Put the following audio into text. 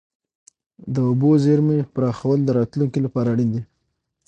د اوبو زیرمې پراخول د راتلونکي لپاره اړین دي.